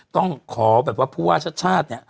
ต้องขอแบบว่าผู้ว่าชาติชาติเนี่ย